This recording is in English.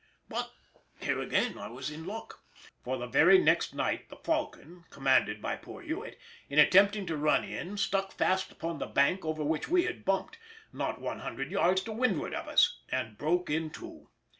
But here again I was to be in luck. For the very next night the Falcon, commanded by poor Hewett, in attempting to run in stuck fast upon the bank over which we had bumped, not one hundred yards to windward of us, and broke in two.